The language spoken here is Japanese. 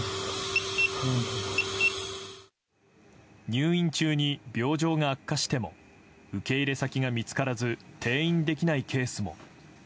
入院中に病状が悪化しても受け入れ先が見つからず転院できないケースも。